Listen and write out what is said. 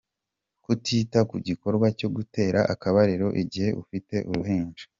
Kutita ku gikorwa cyo gutera akabariro igihe ufite uruhinja.